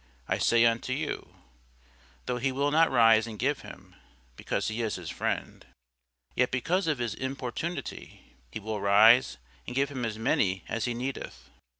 I say unto you, Though he will not rise and give him, because he is his friend, yet because of his importunity he will rise and give him as many as he needeth.